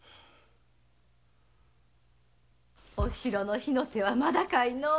お城の火の手はまだかいのう？